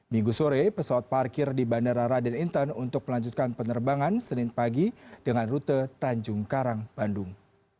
minggu sore pesawat parkir di bandara raden intan untuk melanjutkan penerbangan senin pagi dengan rute tanjung karang bandung